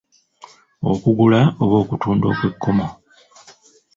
Okugula oba okutunda okw'ekkomo.